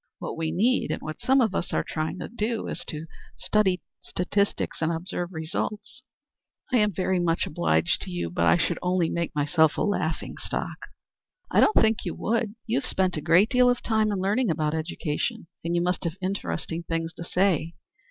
What we need and what some of us are trying to do is to study statistics and observe results. I am very much obliged to you, but I should only make myself a laughing stock." "I don't think you would. You have spent a great deal of time in learning about education, and you must have interesting things to say.